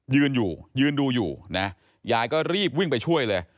ยืนอยู่ยืนดูอยู่นะยายก็รีบวิ่งไปช่วยเลย